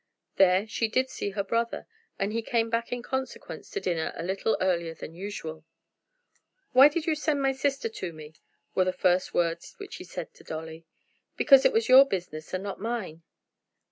There she did see her brother, and he came back, in consequence, to dinner a little earlier than usual. "Why did you send my sister to me?" were the first words which he said to Dolly. "Because it was your business, and not mine."